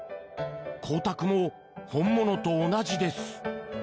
光沢も本物と同じです。